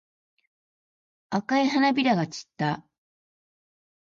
赤い花びらが散った。